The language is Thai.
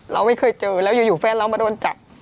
เราไม่เคยเจอแล้วอยู่แฟนเรามาโดนจับ